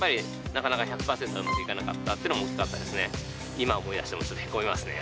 今思い出してもちょっとヘコみますね